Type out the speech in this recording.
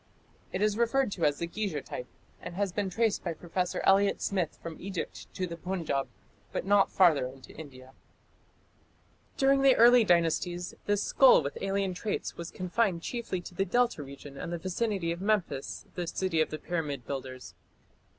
It is referred to as the Giza type, and has been traced by Professor Elliot Smith from Egypt to the Punjab, but not farther into India. During the early dynasties this skull with alien traits was confined chiefly to the Delta region and the vicinity of Memphis, the city of the pyramid builders.